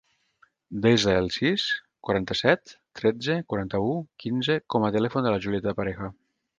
Desa el sis, quaranta-set, tretze, quaranta-u, quinze com a telèfon de la Julieta Pareja.